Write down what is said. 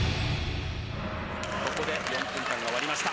ここで４分間が終わりました。